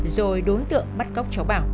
rồi đối tượng bắt cóc chóng xa bảo